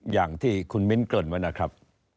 อย่างที่คุณมิ้นเกริ่นไว้นะครับ